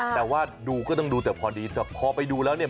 แต่ว่าดูก็ต้องดูแต่พอดีแต่พอไปดูแล้วเนี่ย